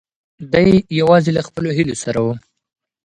دی یوازې له خپلو هیلو سره و.